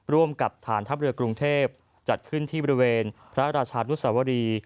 ร่วมกับฐานทัพเรือกรุงเทพจัดขึ้นที่บริเวณพระราชานุสวรี